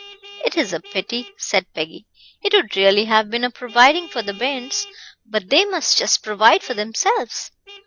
"It is a pity," said Peggy. "It would really have been a providing for the bairns; but they must just provide for themselves.